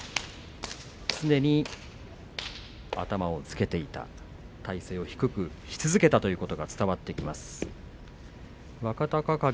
それだけ常に頭をつけていた体勢を低くし続けたということが伝わってきます。